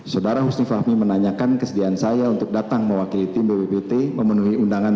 saudara husni fahmi menanyakan kesediaan saya untuk datang mewakili tim bppt memenuhi undangan